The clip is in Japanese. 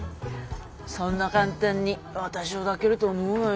そんな簡単に私を抱けると思うなよ。